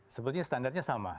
sepertinya standarnya sama